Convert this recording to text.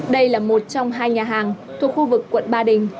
đây là một trong hai nhà hàng thuộc khu vực quận ba đình